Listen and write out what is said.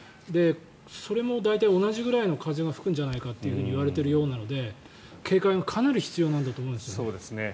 それも大体同じぐらいの風が吹くんじゃないかといわれているようなので警戒がかなり必要なんだと思いますね。